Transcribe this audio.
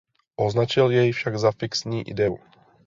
Označil jej však za fixní ideu.